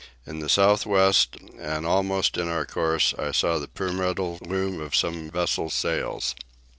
In the south west, and almost in our course, I saw the pyramidal loom of some vessel's sails.